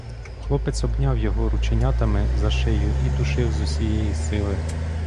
Хлопець обняв його рученятами за шию і душив з усієї сили.